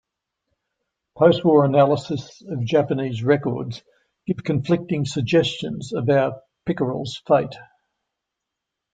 Post-war analysis of Japanese records give conflicting suggestions about "Pickerel"s fate.